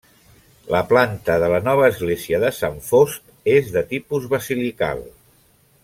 La planta de la nova església de Sant Fost és de tipus basilical.